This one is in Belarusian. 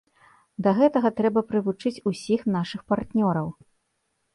Да гэтага трэба прывучыць усіх нашых партнёраў.